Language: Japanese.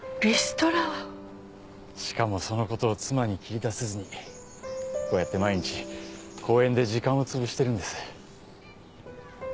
しかもそのことを妻に切り出せずにこうやって毎日公園で時間をつぶしてるんです